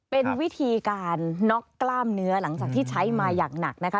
เป็นวิธีการน็อกกล้ามเนื้อหลังจากที่ใช้มาอย่างหนักนะคะ